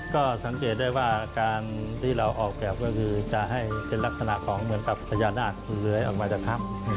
ก็สังเกตได้ว่าการที่เราออกแบบก็คือจะให้เป็นลักษณะของเหมือนกับพญานาคเลื้อยออกมาจากถ้ำ